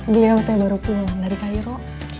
dia waktu yang baru pulang dari cairo